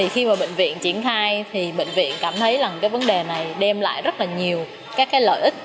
khi bệnh viện triển khai bệnh viện cảm thấy vấn đề này đem lại rất nhiều lợi ích